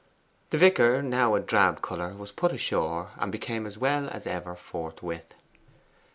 The vicar, now a drab colour, was put ashore, and became as well as ever forthwith.